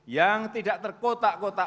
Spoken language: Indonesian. yang tidak terkotak kotak